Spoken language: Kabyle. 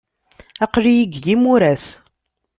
Aql-iyi deg yimuras.